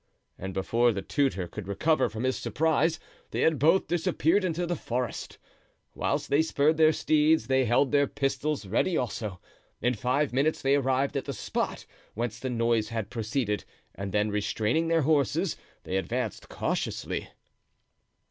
And before the tutor could recover from his surprise they had both disappeared into the forest. Whilst they spurred their steeds they held their pistols ready also. In five minutes they arrived at the spot whence the noise had proceeded, and then restraining their horses, they advanced cautiously.